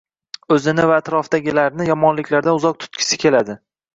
Oʻzini va atrofidagilarni yomonliklardan uzoq tutgisi keladi.